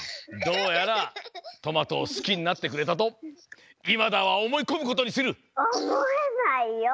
どうやらトマトを好きになってくれたとイマダーは思いこむことにする！